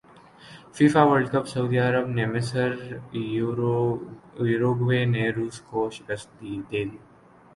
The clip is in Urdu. فیفا ورلڈ کپ سعودی عرب نے مصر یوروگوئے نے روس کو شکست دیدی